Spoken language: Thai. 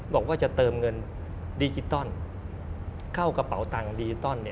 บอกว่าจะเติมเงินดิจิตอลเข้ากระเป๋าตังค์ดิจิตอล